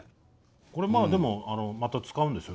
これまあでもまた使うんですよね？